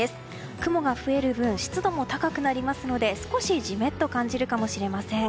雲が増える分湿度も高くなりますので少しジメッと感じるかもしれません。